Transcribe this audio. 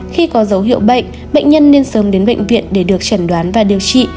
khi có dấu hiệu bệnh bệnh nhân nên sớm đến bệnh viện để được chẩn đoán và điều trị